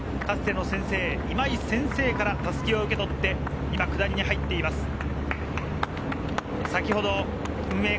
かつての先生、今井先生から襷を受け取って、今、下りに入っています。